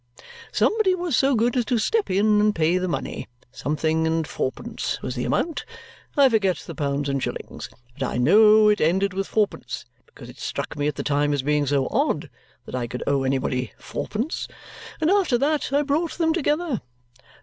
Somebody was so good as to step in and pay the money something and fourpence was the amount; I forget the pounds and shillings, but I know it ended with fourpence, because it struck me at the time as being so odd that I could owe anybody fourpence and after that I brought them together.